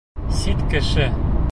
Сит кеше!